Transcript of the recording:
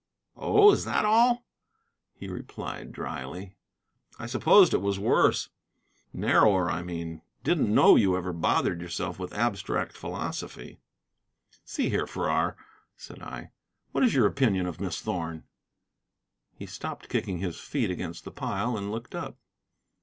"Oh, is that all?" he replied dryly. "I supposed it was worse. Narrower, I mean. Didn't know you ever bothered yourself with abstract philosophy." "See here, Farrar," said I, "what is your opinion of Miss Thorn?" He stopped kicking his feet against the pile and looked up.